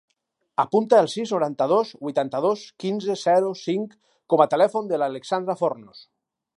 Apunta el sis, noranta-dos, vuitanta-dos, quinze, zero, cinc com a telèfon de l'Alexandra Fornos.